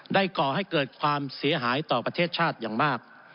ก่อให้เกิดความเสียหายต่อประเทศชาติอย่างมาก